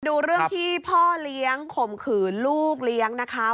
ดูเรื่องที่พ่อเลี้ยงข่มขืนลูกเลี้ยงนะคะ